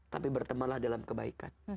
tapi bertemanlah dalam kebaikan